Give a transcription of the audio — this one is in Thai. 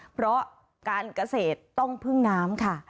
เพราะการเกษตรต้องพึ่งน้ำค่ะ